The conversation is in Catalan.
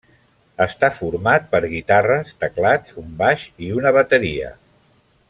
Està format per guitarres, teclats, un baix i una bateria.